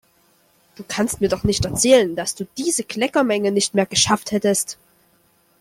Du kannst mir doch nicht erzählen, dass du diese Kleckermenge nicht mehr geschafft hättest!